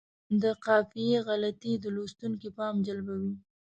د قافیې غلطي د لوستونکي پام جلبوي.